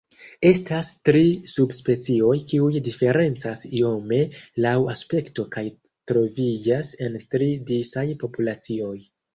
Estas tri subspecioj, kiuj diferencas iome laŭ aspekto kaj troviĝas en tri disaj populacioj.